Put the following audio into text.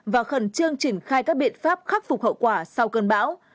và khẩn trương triển khai các biện pháp khắc phục hậu quả sau cơn bão